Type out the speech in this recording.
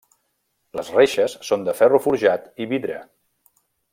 Les reixes són de ferro forjat i vidre.